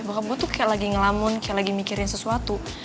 bahkan gue tuh kayak lagi ngelamun kayak lagi mikirin sesuatu